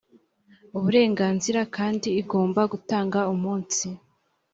uburenganzira kandi igomba gutanga umunsi